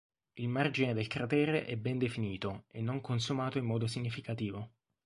Il margine del cratere è ben definito e non consumato in modo significativo.